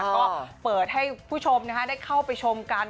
ก็เปิดให้ผู้ชมได้เข้าไปชมกัน